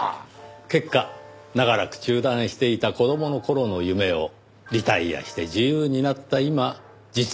結果長らく中断していた子供の頃の夢をリタイアして自由になった今実現している。